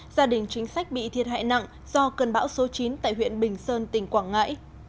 gia đình chính sách bị thiệt hại nặng do cơn bão số chín tại huyện bình sơn tỉnh quảng ngãi